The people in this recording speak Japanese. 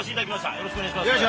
よろしくお願いします。